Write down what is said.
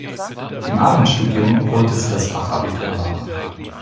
Im Abendstudium holte sie das Fachabitur nach.